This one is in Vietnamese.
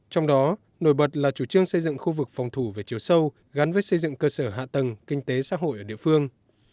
trong đó nổi bật là chủ trương xây dựng khu vực phòng thủ về chiều sâu gắn với xây dựng cơ sở hạ tầng kinh tế xã hội ở địa phương